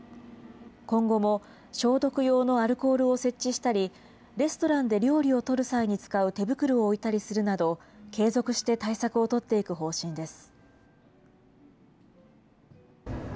今後も消毒用のアルコールを設置したり、レストランで料理を取る際に使う手袋を置いたりするなど、継続して対策を取っていく方針です。